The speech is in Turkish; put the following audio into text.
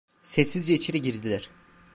Sessizce içeri girdiler.